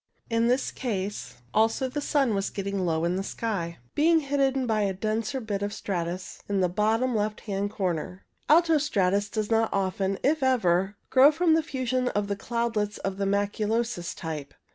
In this case also the sun was getting low in the sky, being hidden by the denser bit of stratus in the bottom left hand corner. Alto stratus does not often, if ever, grow from the fusion of the cloudlets of the maculosus type.